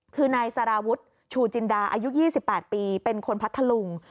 คือนายสารวุฒิชูจินดาอายุ๒๘ปีเป็นคนพัทธลุง